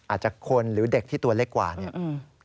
อาจจะคนหรือเด็กที่ตัวเล็กกว่าเนี่ย